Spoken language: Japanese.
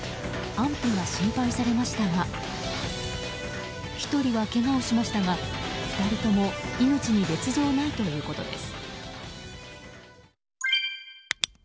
安否が心配されましたが１人はけがをしましたが２人とも命に別条ないということです。